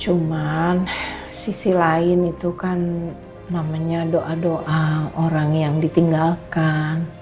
cuman sisi lain itu kan namanya doa doa orang yang ditinggalkan